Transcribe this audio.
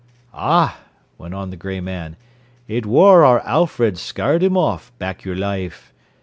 "Ah," went on the grey man. "It wor our Alfred scarred him off, back your life.